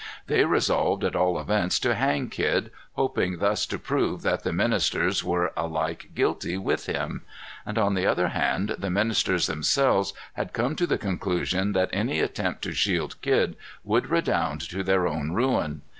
They resolved at all events to hang Kidd, hoping thus to prove that the ministers were alike guilty with him. And on the other hand, the ministers themselves had come to the conclusion that any attempt to shield Kidd would redound to their own ruin.